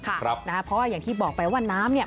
เพราะว่าอย่างที่บอกไปว่าน้ำเนี่ย